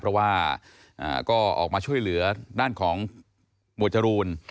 เพราะว่าก็ออกมาช่วยเหลือด้านของหมวดจรูน